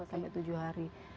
sampai tujuh hari